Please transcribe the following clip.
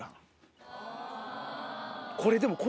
これでも。